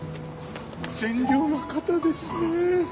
善良な方ですね！